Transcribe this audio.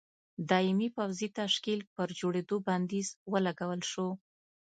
دایمي پوځي تشکیل پر جوړېدو بندیز ولګول شو.